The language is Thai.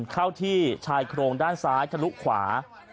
เข้าที่ชายโครงด้านซ้ายทะลุขวา